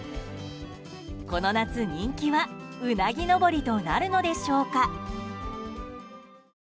この夏、人気はうなぎ登りとなるのでしょうか。